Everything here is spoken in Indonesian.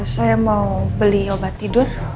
saya mau beli obat tidur